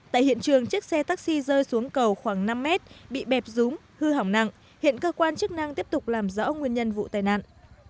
tại hiện trường chiếc xe taxi rơi xuống cầu khoảng năm mét bị bẹp rúng hư hỏng nặng hiện cơ quan chức năng tiếp tục làm rõ nguyên nhân vụ tai nạn